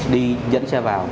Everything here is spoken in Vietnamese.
đi dẫn xe vào